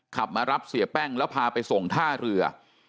ขับมารับเสียแป้งแล้วพาไปส่งท่าเรือ